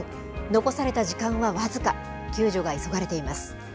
残された時間は僅か、救助が急がれています。